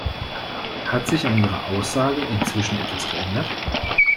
Hat sich an Ihrer Aussage inzwischen etwas geändert?